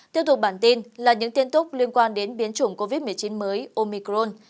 tiếp tục bản tin là những tin tức liên quan đến biến chủng covid một mươi chín mới omicron